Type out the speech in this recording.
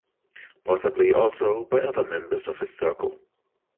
Possibly also by other members of his circle.